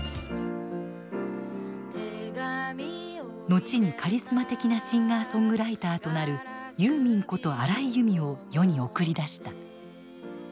後にカリスマ的なシンガーソングライターとなるユーミンこと荒井由実を世に送り出した。